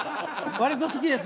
割と好きです